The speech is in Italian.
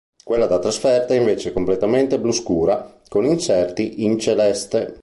Quella da trasferta è invece completamente blu scura, con inserti in celeste.